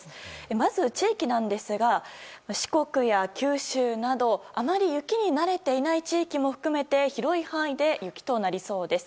まず地域ですが四国や九州などあまり雪に慣れていない地域も含めて広い範囲で雪となりそうです。